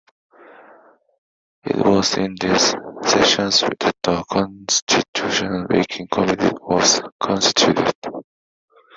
It was in this session that the Constitution-making committee was constituted.